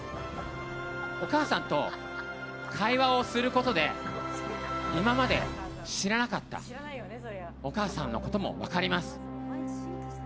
お母さんと会話をすることで今まで知らなかったお母さんのことも分かります。